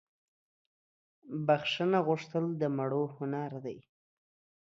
بخښنه غوښتل دمړو هنردي